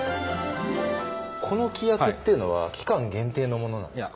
この規約っていうのは期間限定のものなんですか？